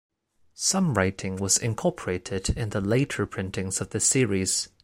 Some rewriting was incorporated in the later printings of this series.